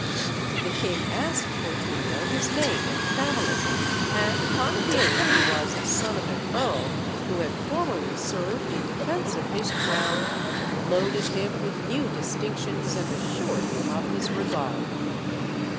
The king asked Fortunio his name and family; and upon hearing he was the son of an earl, who had formerly served in defense of his crown, loaded him with new distinctions, and assured him of his regard.